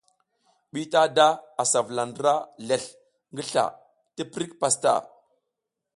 Bitada asa vula ndra lezl ngi sla tiprik pastaʼa.